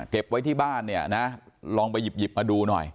เก็บไว้ที่บ้านลองไปหยิบมาดูหน่อย